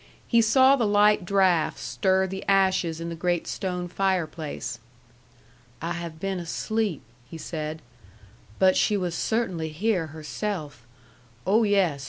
He saw the light draught stir the ashes in the great stone fireplace. "I have been asleep," he said. "But she was cert'nly here herself. Oh, yes.